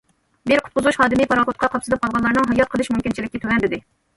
بىر قۇتقۇزۇش خادىمى پاراخوتقا قاپسىلىپ قالغانلارنىڭ ھايات قېلىش مۇمكىنچىلىكى تۆۋەن، دېدى.